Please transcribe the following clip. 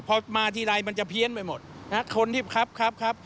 พอมาทีไรมันจะเพี้ยนไปหมดนะคนที่ครับครับ